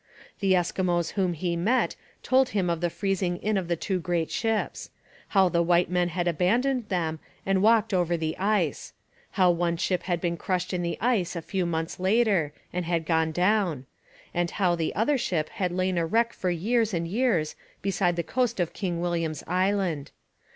The Eskimos whom he met told him of the freezing in of the two great ships: how the white men had abandoned them and walked over the ice: how one ship had been crushed in the ice a few months later and had gone down: and how the other ship had lain a wreck for years and years beside the coast of King William's Island.